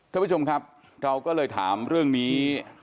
ท่านผู้ชมครับเราก็เลยถามเรื่องนี้